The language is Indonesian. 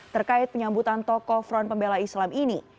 terkait penyambutan tokoh front pembela islam ini